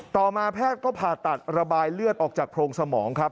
ต่อมาแพทย์ก็ผ่าตัดระบายเลือดออกจากโพรงสมองครับ